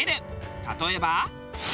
例えば。